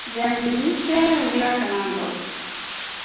viazi lishe huliwa kama mboga